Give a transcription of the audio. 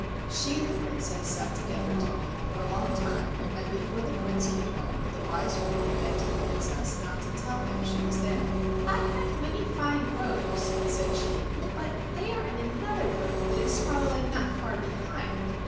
She and the Princess sat together talking for a long time, and before the Prince came home the wise woman begged the Princess not to tell him she was there. "I have many fine robes," said she, "but they are in another boat that is following not far behind.